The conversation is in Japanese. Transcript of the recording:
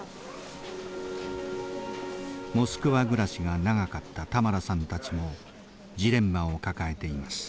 モスクワ暮らしが長かったタマラさんたちもジレンマを抱えています。